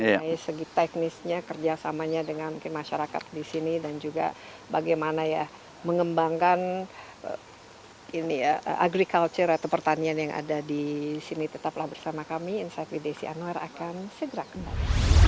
dari segi teknisnya kerjasamanya dengan masyarakat di sini dan juga bagaimana ya mengembangkan ini ya agriculture atau pertanian yang ada di sini tetaplah bersama kami insight wdc anwar akan segera kembang